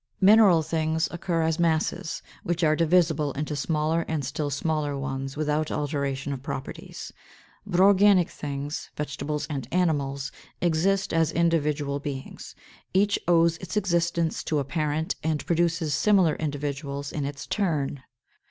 = Mineral things occur as masses, which are divisible into smaller and still smaller ones without alteration of properties. But organic things (vegetables and animals) exist as individual beings. Each owes its existence to a parent, and produces similar individuals in its turn.